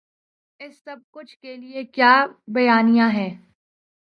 اس سب کچھ کے لیے کیا بیانیہ ہے۔